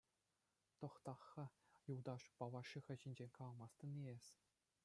Тӑхта-ха, юлташ, Балашиха ҫинчен каламастӑн-и эс?